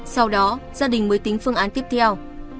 sau đó gia đình mới tính phương án tiếp theo